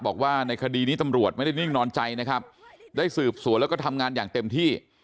บอกว่าในคดีนี้ตำรวจไม่ได้นิ่งนอนใจนะครับได้สืบสวนแล้วก็ทำงานอย่างเต็มที่